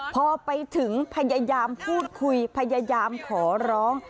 พอไปถึงพยายามพูดคุยพยายามขอร้อง